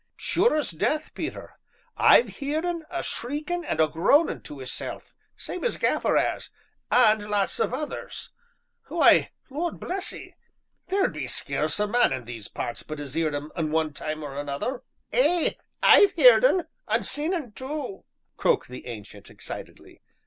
"Sure as death, Peter. I've heerd un a shriekin' and a groanin' to 'isself, same as Gaffer 'as, and lots of others. Why, Lord bless 'ee! theer be scarce a man in these parts but 'as 'eerd um one time or another." "Ay I've 'eerd un, and seen un tu!" croaked the Ancient excitedly.